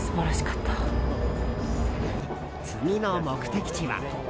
次の目的地は。